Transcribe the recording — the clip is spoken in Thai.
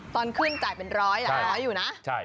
ตอนขึ้นจ่ายเป็นร้อยเหรออยู่นะใช่